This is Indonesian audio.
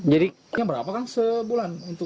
jadi berapa kan sebulan